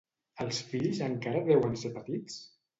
Els fills encara deuen ser petits?